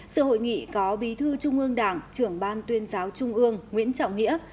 sự hội nghị có bí thư trung ương đảng trưởng ban tuyên giáo trung ương nguyễn trọng nghĩa